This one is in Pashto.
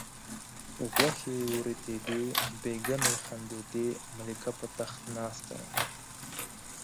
غوښې وریتېدې بیګمې خندېدې ملکه په تخت ناسته وه.